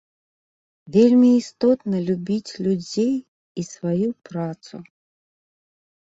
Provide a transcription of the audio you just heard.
Вельмі істотна любіць людзей і сваю працу.